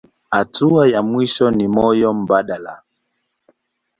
Hatua ya mwisho ni moyo mbadala.